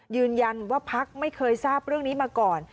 ยืนยันว่าพักไม่เคยทราบเรื่องนี้มาก่อน